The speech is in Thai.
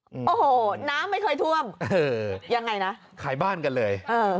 โอ้โหน้ำไม่เคยท่วมเออยังไงนะขายบ้านกันเลยเออ